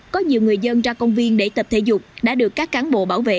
có nhiều người dân ra công viên để tập thể dục đã được các cán bộ bảo vệ